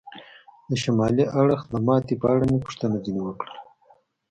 د شمالي اړخ د ماتې په اړه مې پوښتنه ځنې وکړل.